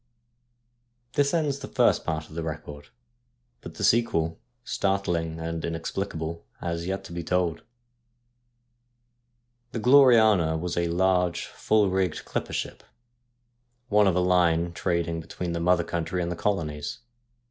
This ends the first part of the record, but the sequel — startling and inexplicable — has yet to be told. The Gloriana was a large, full rigged, clipper ship, one of a line trading between the mother country and the colonies.